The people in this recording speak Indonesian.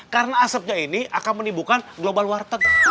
karena asapnya ini akan menimbulkan global warteg